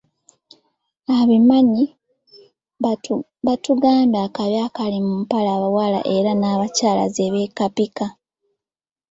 Ababimanyi batugambye akabi akali mu mpale abawala era n'abakyala zebeekapika.